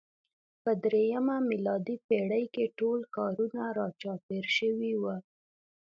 په درېیمه میلادي پېړۍ کې ټول ښارونه راچاپېر شوي وو.